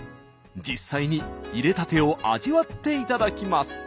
実際にいれたてを味わっていただきます。